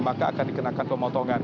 maka akan dikenakan pemotongan